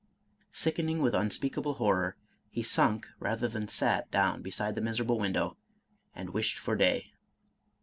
Sickening with unspeakable horror, he sunk rather than sat down beside the miserable window, and "wished for day."